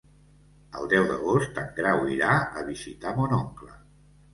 El deu d'agost en Grau irà a visitar mon oncle.